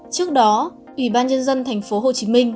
trước đó ủy ban dân dân tp hcm